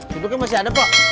sudutnya masih ada kok